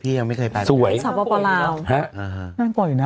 พี่ยังไม่เคยแปลเป็นสวยนั่นก่อนอีกนะ